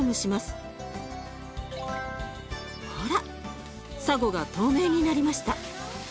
サゴが透明になりました。